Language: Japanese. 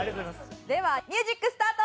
ではミュージックスタート！